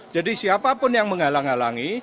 jadi siapapun yang menghalang halangi